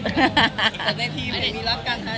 แต่ในทีมมีรับกันค่ะ